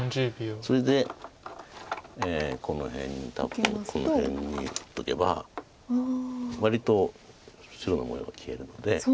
それでこの辺に多分この辺に打っとけば割と白の模様が消えるので。